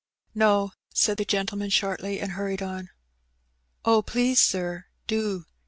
137 ''No,'' said the gentleman shortly, and harried on. "Oh, please, sir, do!'